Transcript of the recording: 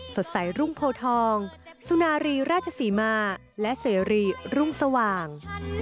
สดใสรุ่งโพทองสุนารีราชศรีมาและเสรีรุ่งสว่าง